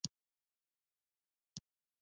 پاچا تل خلک په ستونزو کې اچوي.